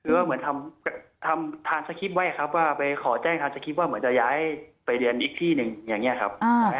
อย่างนี้ครับไปหาที่เรียนใหม่ครับ